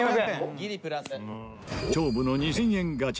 大勝負の２０００円ガチャ。